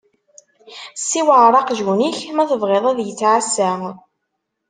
Ssiwɛeṛ aqjun-ik ma tebɣiḍ ad ittɛassa!